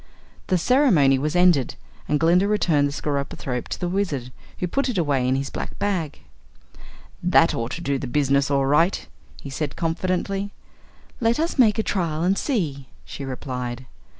The ceremony was ended and Glinda returned the skeropythrope to the Wizard, who put it away in his black bag. "That ought to do the business all right," he said confidently. "Let us make a trial and see," she replied.